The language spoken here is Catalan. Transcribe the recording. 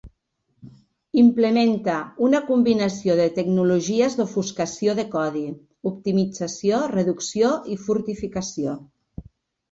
Implementa una combinació de tecnologies d'ofuscació de codi, optimització, reducció i fortificació.